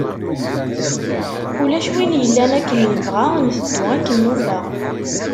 Ulac win yellan akken yebɣa, nteddu akken nufa.